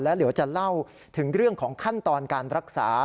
เดี๋ยวจะเล่าถึงเรื่องของขั้นตอนการรักษา